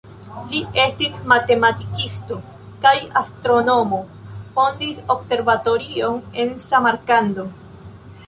Li estis matematikisto kaj astronomo, fondis observatorion en Samarkando.